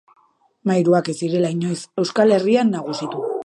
Mairuak ez zirela inoiz Euskal Herrian nagusitu.